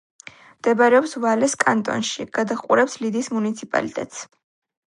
მდებარეობს ვალეს კანტონში; გადაჰყურებს ლიდის მუნიციპალიტეტს.